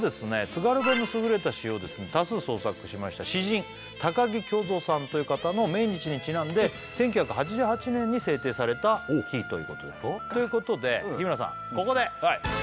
津軽弁の優れた詩をですね多数創作しました詩人・高木恭造さんという方の命日にちなんで１９８８年に制定された日ということでそうかということで日村さんここで！